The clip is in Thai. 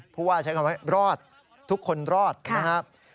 ผู้ว่าใช้คำว่ารอดทุกคนรอดนะครับ